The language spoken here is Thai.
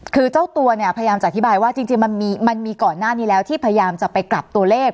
คือเจ้าตัวเนี่ยพยายามจะอธิบายว่าจริงมันมีก่อนหน้านี้แล้วที่พยายามจะไปกลับตัวเลข